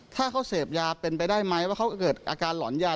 ถ้าเขาเสพยาเป็นไปได้ไหมว่าเขาเกิดอาการหลอนยา